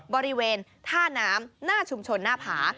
บริเวณท่าน้ำหน้าชุมชนหน้าผา